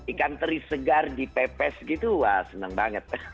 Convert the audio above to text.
ikan teri segar di pepes gitu wah seneng banget